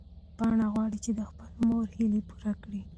پاڼه غواړي چې د خپلې مور هیلې پوره کړي.